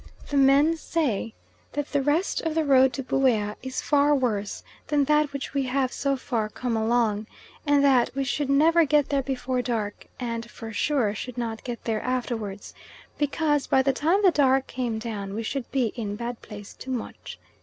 The men say that the rest of the road to Buea is far worse than that which we have so far come along, and that we should never get there before dark, and "for sure" should not get there afterwards, because by the time the dark came down we should be in "bad place too much."